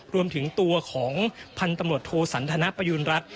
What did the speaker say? รวมถึงตัวของพันธุ์ตำรวจโทสันทนประยุณรัฐ